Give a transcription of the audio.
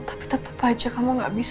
tapi tetap aja kamu gak bisa